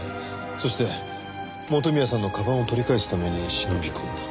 そして元宮さんの鞄を取り返すために忍び込んだ。